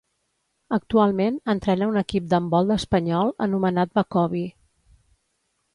Actualment, entrena un equip d'handbol espanyol anomenat Bacovi.